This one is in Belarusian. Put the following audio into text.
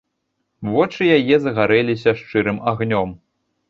Вочы яе загарэліся шчырым агнём.